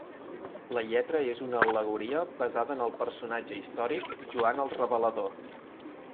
La lletra és una al·legoria basada en el personatge històric Joan el Revelador.